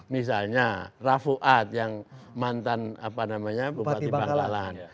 misalnya raffuat yang mantan bupati bangkalan